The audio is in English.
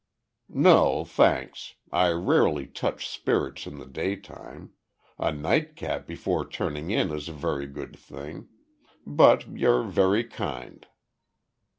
"No thanks. I rarely touch spirits in the daytime. A `nightcap' before turning in is a very good thing. But you're very kind."